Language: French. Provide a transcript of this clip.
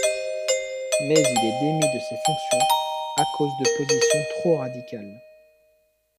Mais il est démis de ses fonctions à cause de positions trop radicales.